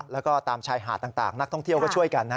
แล้วก็ตามชายหาดต่างนักท่องเที่ยวก็ช่วยกันนะ